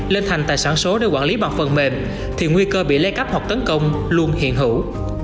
lên thành tài sản số để quản lý bằng phần mềm thì nguy cơ bị lấy cắp hoặc tấn công luôn hiện hữu